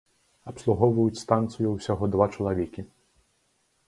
Абслугоўваюць станцыю ўсяго два чалавекі.